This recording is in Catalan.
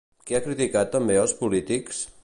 Què ha criticat també als polítics?